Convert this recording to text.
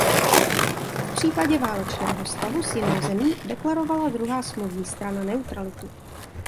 V případě válečného stavu s jinou zemí deklarovala druhá smluvní strana neutralitu.